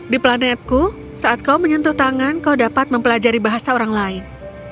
di planetku saat kau menyentuh tangan kau dapat mempelajari bahasa orang lain